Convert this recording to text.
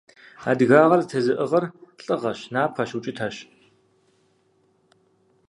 Адыгагъэр зэтезыӀыгъэр лӀыгъэщ, напэщ, укӀытэщ.